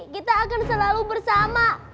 kita akan selalu bersama